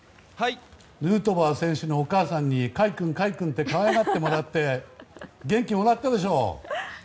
ヌートバー選手のお母さんに快君、快君って可愛がってもらって元気もらったでしょ？